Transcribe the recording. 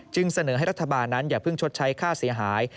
เสนอให้รัฐบาลนั้นอย่าเพิ่งชดใช้ค่าเสียหาย